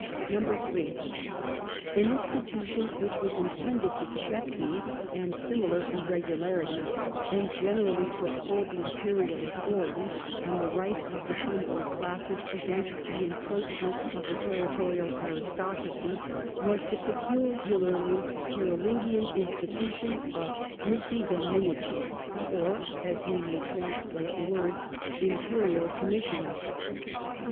3. An institution which was intended to check these and similar irregularities, and generally to uphold the imperial authority and the rights of the humbler classes against the encroachments of the ter ritorial aristocracy, was the peculiarly Carolingian institution of missidominici, or (as ^ve may transhite the 'words) " imperial commissioners."